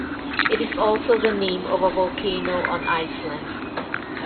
It is also the name of a volcano on Iceland.